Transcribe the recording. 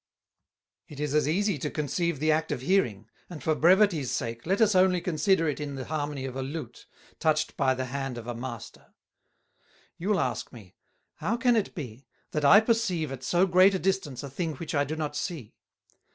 "It is as easie to conceive the Act of Hearing, and for Brevities sake, let us only consider it in the Harmony of a Lute, touched by the Hand of a Master. You'll ask me, How can it be, that I perceive at so great a distance a thing which I do not see?